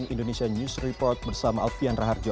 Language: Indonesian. cnn indonesia news report bersama alfian raharjo